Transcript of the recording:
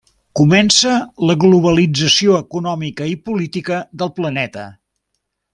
Comença la Globalització econòmica i política del planeta.